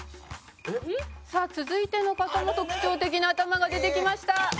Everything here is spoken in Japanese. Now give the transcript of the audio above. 「さあ続いての方も特徴的な頭が出てきました」